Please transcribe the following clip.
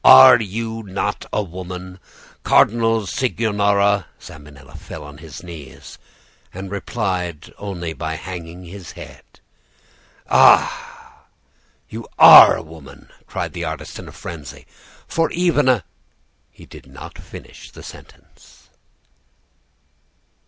'Are you not a woman? Cardinal Cicognara ' "Zambinella fell on his knees, and replied only by hanging his head. "'Ah! you are a woman!' cried the artist in a frenzy; 'for even a ' "He did not finish the sentence.